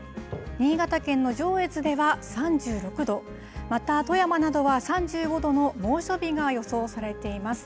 新潟県の上越では３６度、また富山などは３５度の猛暑日が予想されています。